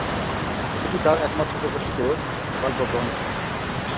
এটি তার একমাত্র প্রকাশিত গল্পগ্রন্থ।